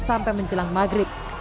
sampai menjelang maghrib